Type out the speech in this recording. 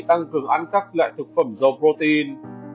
tăng cường ăn các loại thực phẩm dầu protein